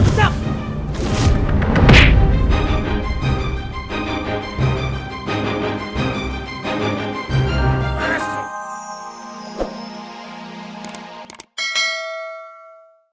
udah gak apa apa